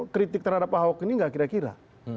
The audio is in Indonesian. kritik terhadap ahok ini gak kira kira